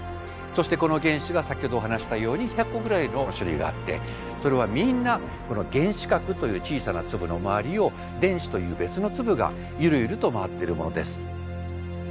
そしてこの原子が先ほどお話ししたように１００個ぐらいの種類があってそれはみんなこの原子核という小さな粒の周りを電子という別の粒がゆるゆると回っているものです。